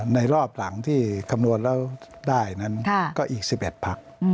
ในรอบหลังที่คำนวณแล้วได้นั้นก็อีก๑๑พัก